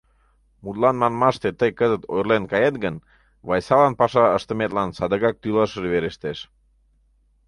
Мутлан манмаште, тый кызыт ойырлен кает гын, Вайсалан паша ыштыметлан садыгак тӱлашыже верештеш.